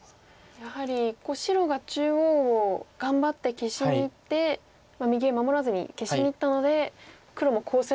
やはり白が中央を頑張って消しにいって右上守らずに消しにいったので黒もこうせざるをえない。